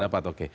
nggak dapat oke